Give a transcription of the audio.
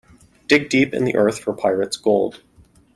Dig deep in the earth for pirate's gold.